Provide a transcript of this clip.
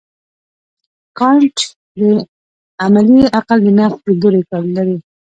کانټ د عملي عقل د نقد لیدلوری لري.